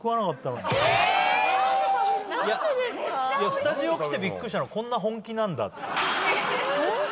スタジオ来てびっくりしたのこんなに本気なんだって。